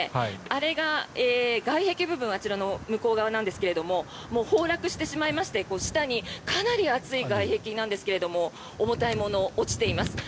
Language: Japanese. あれが、外壁部分あちらの向こう側なんですが崩落してしまいまして下にかなり厚い外壁なんですが重たいものが落ちています。